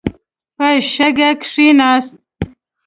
په شګه کښېناست.